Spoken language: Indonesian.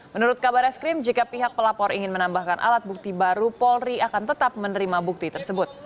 menurut kabar eskrim jika pihak pelapor ingin menambahkan alat bukti baru polri akan tetap menerima bukti tersebut